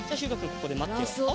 ここでまってよう。